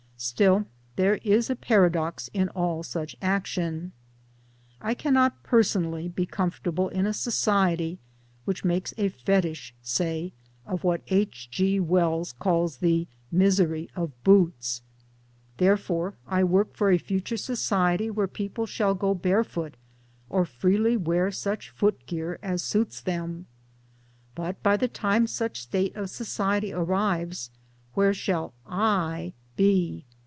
Still there is a paradox in all such action. I cannot personally be comfortable in a society which makes a fetish, say, of what tt. G. iJAfeUs calls Jhe Misery of B.Qots. Therefore HOW THE W.ORLD LOOKS AT SEVENTY 307 I work for a future society where people shall go barefoot or freely wear such footgear as suits them. But by the time such state of society arrives, where shajl " I " be?